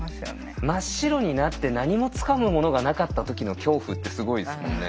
真っ白になって何もつかむものがなかった時の恐怖ってすごいですもんね。